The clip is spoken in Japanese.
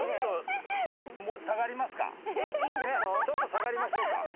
ちょっと下がりますか？